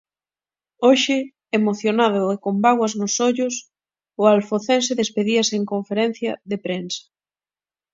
Hoxe, emocionado e con bágoas nos ollos, o alfocense despedíase en conferencia de prensa.